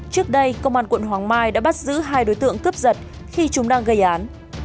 trước đây công an quận hoàng mai đã bắt giữ hai đối tượng cướp giật khi chúng đang gây án